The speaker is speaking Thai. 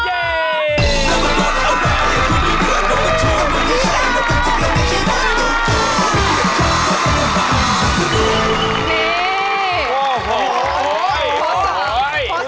นี่